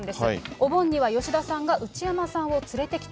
お盆には吉田さんが内山さんを連れてきた。